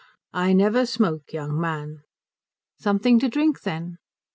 "I never smoke, young man." "Something to drink, then?"